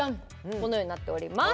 このようになっております